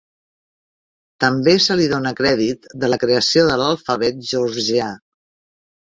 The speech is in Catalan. També se li dóna crèdit de la creació de l'alfabet georgià.